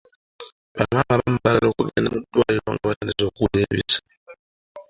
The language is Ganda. Ba maama abamu baagala okugenda mu ddwaliro nga batandise okuwulira ebisa.